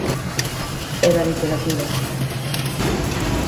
E da literatura.